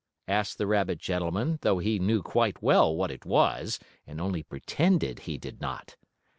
asked the rabbit gentleman, though he knew quite well what it was, and only pretended he did not.